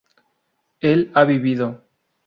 él ha vivido